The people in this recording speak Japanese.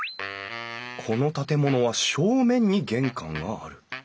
この建物は正面に玄関がある。